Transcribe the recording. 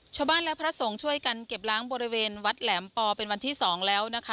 ชาวบ้านและพระสงฆ์ช่วยกันเก็บล้างบริเวณวัดแหลมปอเป็นวันที่๒แล้วนะคะ